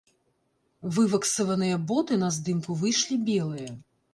Вываксаваныя боты на здымку выйшлі белыя.